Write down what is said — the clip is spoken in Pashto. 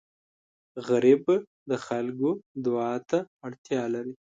غریب د خلکو دعا ته اړتیا لري